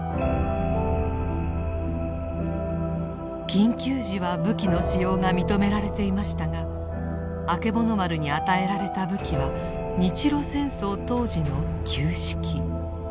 緊急時は武器の使用が認められていましたがあけぼの丸に与えられた武器は日露戦争当時の旧式。